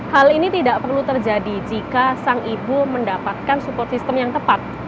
hal ini tidak perlu terjadi jika sang ibu mendapatkan support system yang tepat